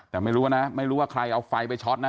แต่ไม่รู้นะไม่รู้ว่าใครเอาไฟไปช็อตนะ